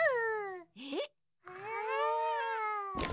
えっ！？